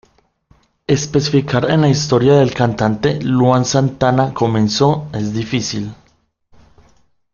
Especificar en la historia de el cantante Luan Santana comenzó es difícil.